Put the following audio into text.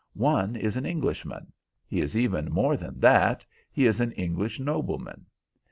One is an Englishman; he is even more than that, he is an English nobleman.